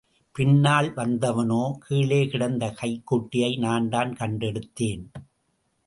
பின்னால் வந்தவனோ கீழே கிடந்த கைக் குட்டையை நான்தான் கண்டெடுத்தேன்.